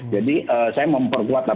jadi saya memperkuat